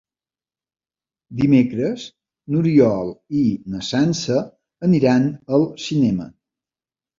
Dimecres n'Oriol i na Sança aniran al cinema.